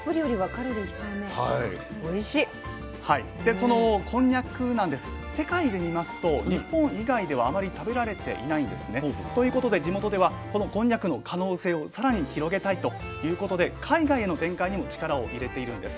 そのこんにゃくなんですが世界で見ますと日本以外ではあまり食べられていないんですね。ということで地元ではこのこんにゃくの可能性を更に広げたいということで海外への展開にも力を入れているんです。